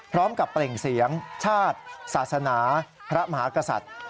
เปล่งเสียงชาติศาสนาพระมหากษัตริย์